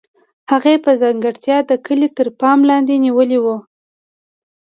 هغې په ځیرتیا دا کلی تر پام لاندې نیولی و